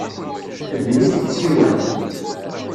Teddem-it tsiwant.